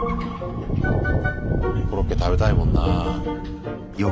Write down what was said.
コロッケ食べたいもんなぁ。